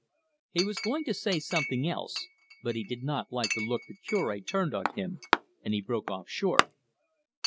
He was going to say something else, but he did not like the look the Cure turned on him, and he broke off short.